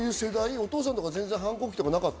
お父さんとか全然反抗期なかった？